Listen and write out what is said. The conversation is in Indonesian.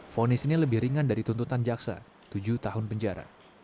fonis ini lebih ringan dari tuntutan jaksa tujuh tahun penjara